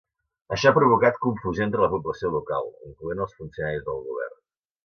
Això ha provocat confusió entre la població local, incloent els funcionaris del govern.